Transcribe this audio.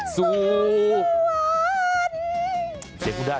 สวัสดีสวัสดี